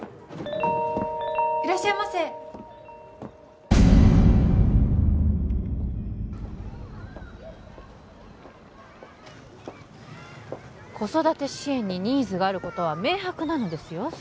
いらっしゃいませ子育て支援にニーズがあることは明白なのですよ